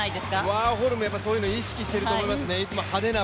ワーホルム、そういうの意識していると思いますね。